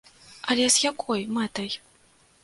Але з якой мэтай?